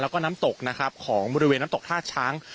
แล้วก็น้ำตกนะครับของบริเวณน้ำตกท่าช้าง